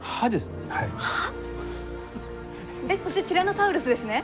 えっそしてティラノサウルスですね？